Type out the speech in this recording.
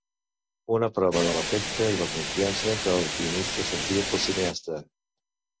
Una prova de l'afecte i la confiança que el guionista sentia pel cineasta.